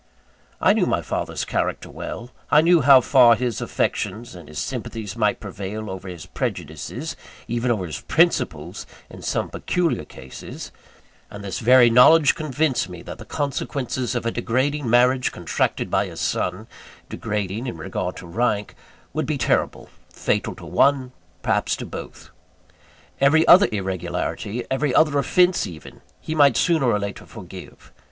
I knew my father's character well: I knew how far his affections and his sympathies might prevail over his prejudices even over his principles in some peculiar cases; and this very knowledge convinced me that the consequences of a degrading marriage contracted by his son (degrading in regard to rank), would be terrible: fatal to one, perhaps to both. Every other irregularity every other offence even he might sooner or later forgive.